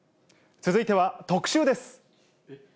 続いては特集です。